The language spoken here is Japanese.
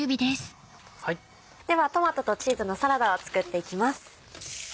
ではトマトとチーズのサラダを作っていきます。